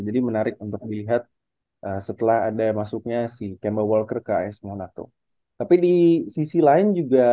menarik untuk dilihat setelah ada masuknya si cama wolker ke as monaco tapi di sisi lain juga